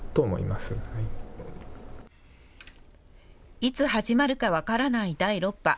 いつ始まるか分からない第６波。